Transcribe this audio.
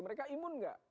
mereka imun enggak